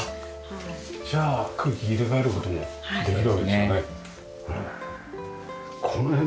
じゃあ空気入れ替える事もできるわけですよね。